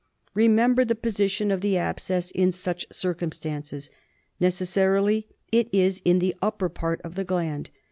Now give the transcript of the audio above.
Remember the position of the abscess in such circumstances. Necessarily it is in the upper part of the gland.